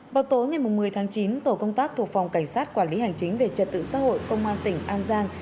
vào tối ngày một mươi tháng chín tổ công tác thuộc phòng cảnh sát quản lý hành chính về trật tự xã hội công an tỉnh an giang